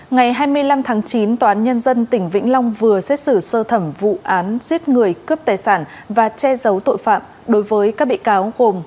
ngày hai mươi năm tháng chín tòa án nhân dân tỉnh vĩnh long vừa xét xử sơ thẩm vụ án giết người cướp tài sản và che giấu tội phạm đối với các bị cáo gồm